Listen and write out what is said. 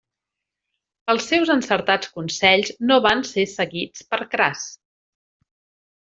Els seus encertats consells no van ser seguits per Cras.